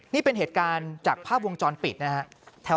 นี่เป็นเหตุการณ์จากภาพวงจรปิดนะฮะ